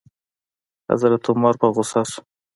حضرت عمر په غوسه شو.